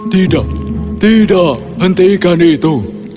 tidak tidak hentikan itu